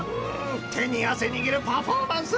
手に汗握るパフォーマンス